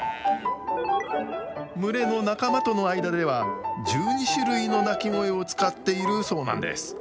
群れの仲間との間では１２種類の鳴き声を使っているそうなんです。